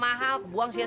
sabar banget ya